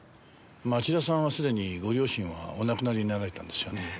町田さんはすでにご両親はお亡くなりになられたんですよね？